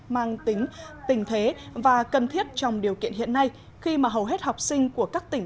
mang tính tình thế và cần thiết trong điều kiện hiện nay khi mà hầu hết học sinh của các tỉnh